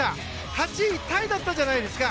８位タイだったじゃないですか。